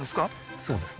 そうですね